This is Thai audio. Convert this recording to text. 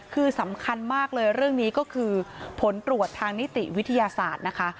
คือสำคัญมากเลยเรื่องนี้ก็คือผลตรวจทางนิติวิทยาศาสตร์นะคะ